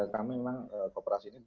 kami memang kooperasi ini